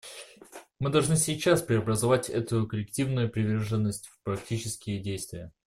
Мы должны сейчас преобразовать эту коллективную приверженность в практические действия.